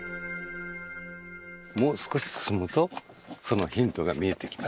もう少し進むとそのヒントが見えてきます。